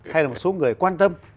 hay là một số người quan tâm